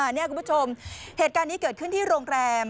นี่คุณผู้ชมเหตุการณ์นี้เกิดขึ้นที่โรงแรม